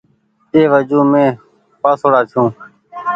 اي وجون مين پآسوڙآ ڇو۔